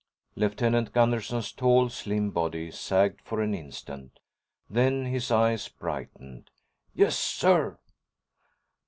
Lieutenant Gunderson's tall, slim body sagged for an instant. Then his eyes brightened. "Yes, sir!"